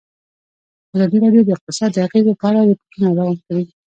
ازادي راډیو د اقتصاد د اغېزو په اړه ریپوټونه راغونډ کړي.